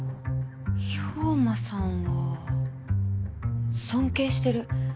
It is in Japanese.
兵馬さんは尊敬してる